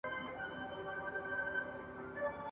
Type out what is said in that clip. په ماښام وو په هګیو نازولی !.